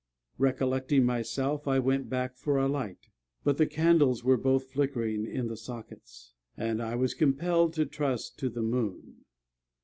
Recollecting myself, I went back for a light; but the candles were both flickering in the sockets, and I was compelled to trust to the moon.